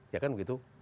ya kan begitu